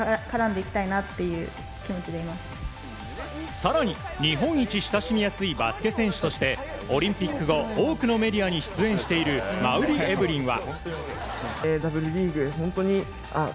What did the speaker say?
更に、日本一親しみやすいバスケ選手としてオリンピック後多くのメディアに出演している馬瓜エブリンは。